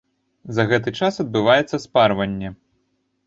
За гэты час адбываецца спарванне.